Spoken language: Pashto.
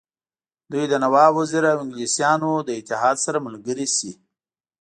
دوی له نواب وزیر او انګلیسیانو له اتحاد سره ملګري شي.